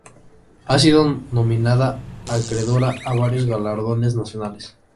Ha sido nominada y acreedora a varios galardones nacionales.